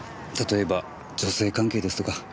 例えば女性関係ですとか。